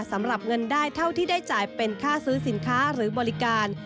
สำหรับเงินได้เท่าที่ได้จ่ายเป็นค่าซื้อสินค้าหรือบริการ